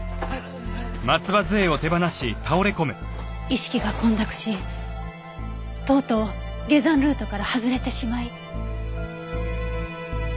意識が混濁しとうとう下山ルートから外れてしまい。